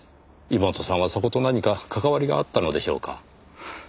妹さんはそこと何か関わりがあったのでしょうか？